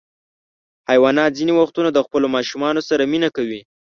حیوانات ځینې وختونه د خپلو ماشومانو سره مینه کوي.